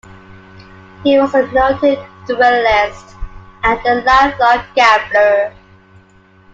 He was a noted duelist and a lifelong gambler.